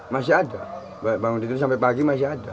masih ada bang ditu sampai pagi masih ada